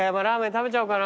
食べちゃおうかな。